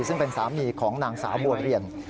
ซึ่งเป็นสามีของนางสาวบัวเรียน